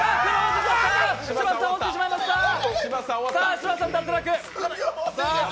柴田さん、脱落。